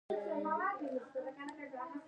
وروسته پاتې عصر یوازې د روایت په توګه د ارزښت دی.